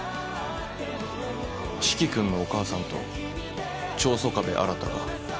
四鬼君のお母さんと長曾我部新が？